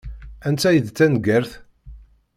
Anta i d taneggart?